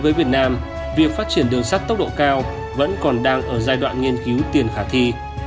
với việt nam việc phát triển đường sắt tốc độ cao vẫn còn đang ở giai đoạn nghiên cứu tiền khả thi